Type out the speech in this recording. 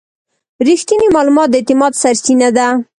رښتینی معلومات د اعتماد سرچینه ده.